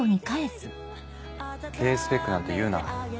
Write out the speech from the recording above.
低スペックなんて言うな。